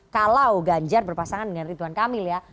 kalau ganjar berpasangan dengan ridwan kamil ya